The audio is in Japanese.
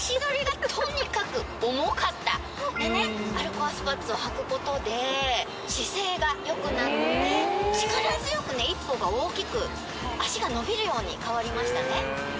コアスパッツをはくことで姿勢がよくなるので力強くね一歩が大きく脚が伸びるように変わりましたね